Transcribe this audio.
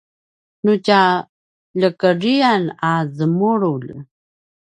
nu tja ljekedriyen a zemululj